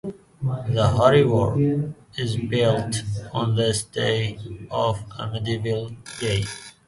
The harbour is built on the site of a medieval quay.